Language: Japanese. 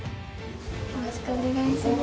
よろしくお願いします。